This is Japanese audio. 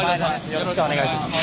よろしくお願いします。